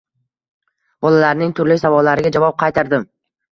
Bolalarning turli savollariga javob qaytardim